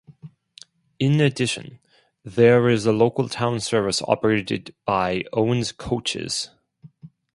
In addition there is a local town service operated by Owen's Coaches.